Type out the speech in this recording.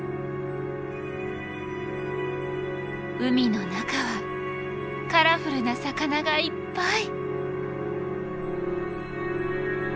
海の中はカラフルな魚がいっぱい！